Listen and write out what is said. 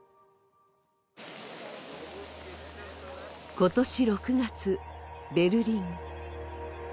今年６月、ベルリン。